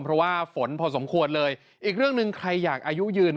เพราะว่าฝนพอสมควรเลยอีกเรื่องหนึ่งใครอยากอายุยืน